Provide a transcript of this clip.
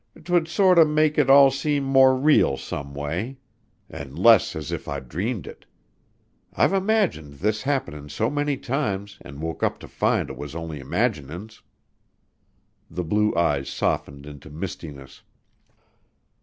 'Twould sorter make it all seem more real some way, an' less as if I'd dreamed it. I've imagined this happenin' so many times an' woke up to find 'twas only imaginin's." The blue eyes softened into mistiness.